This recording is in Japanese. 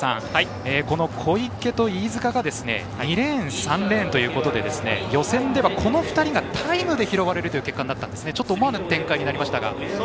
この小池と飯塚が２レーン、３レーンということで予選ではこの２人がタイムで拾われる展開になって思わぬ展開となりました。